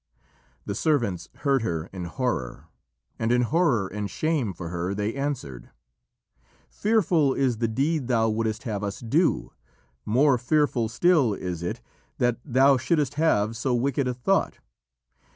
The servants heard her in horror, and in horror and shame for her they answered: "Fearful is the deed thou wouldst have us do; more fearful still is it that thou shouldst have so wicked a thought.